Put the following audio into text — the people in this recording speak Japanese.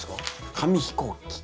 紙飛行機。